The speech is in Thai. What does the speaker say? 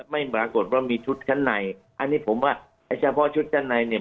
ไม่ปรากฏว่ามีชุดข้างในอันนี้ผมว่าเฉพาะชุดข้างในเนี่ย